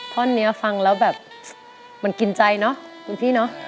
ท่อนนี้ฟังแล้วแบบมันกินใจเนอะคุณพี่เนอะ